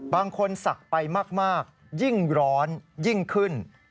สักไปมากยิ่งร้อนยิ่งขึ้น